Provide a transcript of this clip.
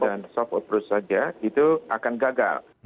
kalau hanya di atas soft approach saja itu akan gagal